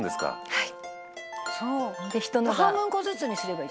はい。